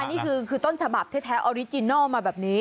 นี่คือต้นฉบับแท้ออริจินัลมาแบบนี้